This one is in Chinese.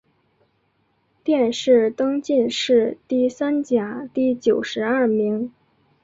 殿试登进士第三甲第九十二名。